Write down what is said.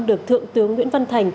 được thượng tướng nguyễn văn thành